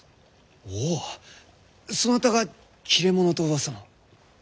おおっそなたが切れ者とうわさの。